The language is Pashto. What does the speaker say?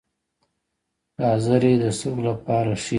ګازرې د سترګو لپاره ښې دي